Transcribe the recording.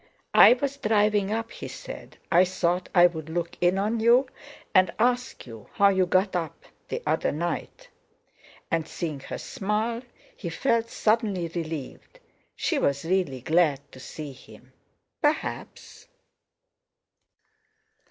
"I was driving up," he said. "Thought I'd look in on you, and ask you how you got up the other night." And, seeing her smile, he felt suddenly relieved. She was really glad to see him, perhaps.